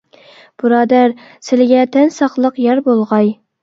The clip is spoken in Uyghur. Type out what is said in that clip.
بۇرادەر سىلىگە تەن ساقلىق يار بولغاي!